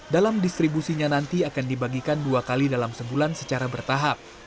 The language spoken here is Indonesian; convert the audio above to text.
dalam distribusinya nanti akan dibagikan dua kali dalam sebulan secara bertahap